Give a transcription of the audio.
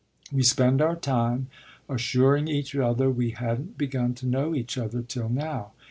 We spend our time assuring each other we hadn't begun to know each other till now.